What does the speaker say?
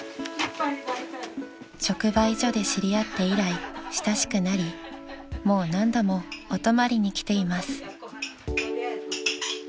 ［直売所で知り合って以来親しくなりもう何度もお泊まりに来ています］